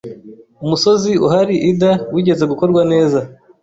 Umusozi uhari Ida wigeze gukorwa neza